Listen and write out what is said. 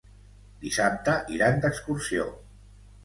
Dissabte iran d'excursió.